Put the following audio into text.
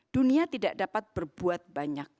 dunia tidak dapat berbuat banyak